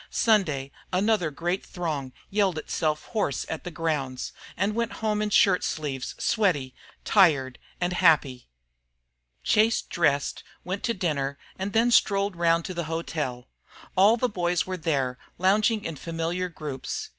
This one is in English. Sunday another great throng yelled itself hoarse at the grounds, and went home in shirt sleeves, sweaty, tired, and happy. Chase dressed, went to dinner, and then strolled round to the hotel. All the boys were there lounging in familiar groups.